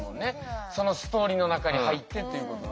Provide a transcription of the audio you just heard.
そのストーリーの中に入ってっていうこと。